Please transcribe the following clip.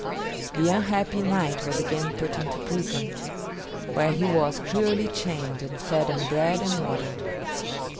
The unhappy knight was again put into prison, where he was cruelly chained and fed on bread and water.